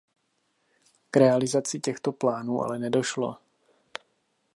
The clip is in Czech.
K realizaci těchto plánů ale nedošlo.